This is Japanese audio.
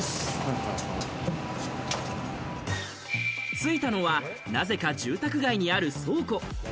ついたのは、なぜか住宅街にある倉庫。